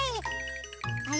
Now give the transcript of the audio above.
あれ？